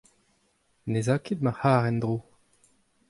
Ne'z a ket ma c'harr en-dro.